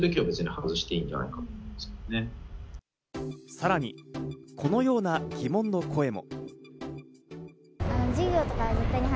さらに、このような疑問の声も。